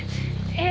え